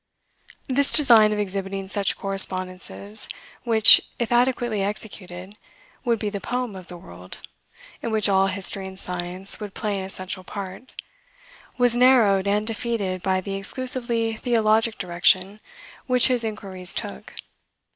This design of exhibiting such correspondences, which, if adequately executed, would be the poem of the world, in which all history and science would play an essential part, was narrowed and defeated by the exclusively theologic direction which his inquiries took.